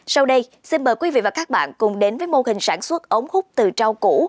sau đây xin mời quý vị và các bạn cùng đến với mô hình sản xuất ống hút từ rau cũ